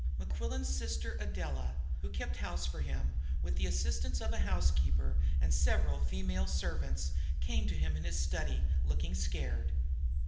Mequillen's sister, Adela, who kept house for him with the assistance of a housekeeper and several female servants came to him in his study, looking scared.